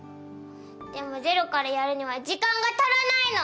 でも０からやるには時間が足らないの！